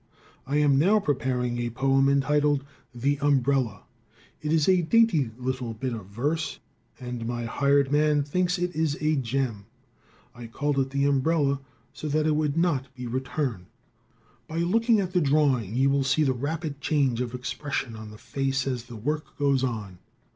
I am now preparing a poem entitled, "The Umbrella." It is a dainty little bit of verse, and my hired man thinks it is a gem. I called it "The Umbrella" so that it would not be returned. By looking at the drawing you will see the rapid change of expression on the face as the work goes on.